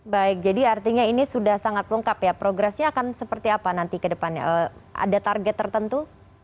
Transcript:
baik jadi artinya ini sudah sangat lengkap ya progresnya akan seperti apa nanti ke depannya ada target tertentu